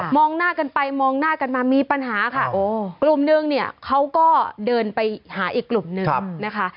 หน้ากันไปมองหน้ากันมามีปัญหาค่ะกลุ่มนึงเนี่ยเขาก็เดินไปหาอีกกลุ่มนึงนะคะ